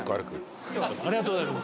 ありがとうございます。